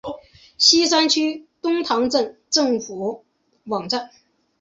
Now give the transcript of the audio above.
锡山区东北塘镇政府网站